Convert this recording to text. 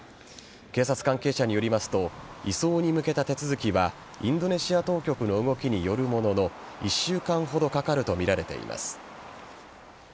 警察関係者によりますと移送に向けた手続きはインドネシア当局の動きによるものの１週間ほどかかるとみられています。